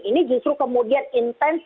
ini justru kemudian intens